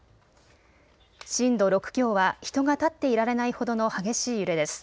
震度６強は人が立っていられないほどの激しい揺れです。